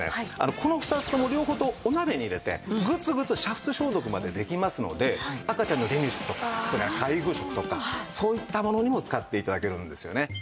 この２つとも両方ともお鍋に入れてグツグツ煮沸消毒までできますので赤ちゃんの離乳食とかそれから介護食とかそういったものにも使って頂けるんですよね。